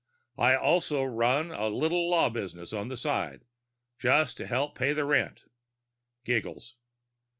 I also run a little law business on the side, just to help pay the rent."